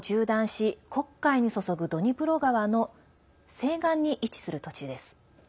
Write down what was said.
ウクライナを縦断し黒海に注ぐドニプロ川の西岸に位置する土地です。